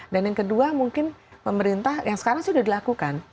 dan yang kedua mungkin pemerintah yang sekarang sudah dilakukan